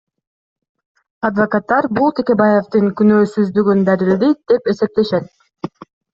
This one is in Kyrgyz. Адвокаттар бул Текебаевдин күнөөсүздүгүн далилдейт деп эсептешет.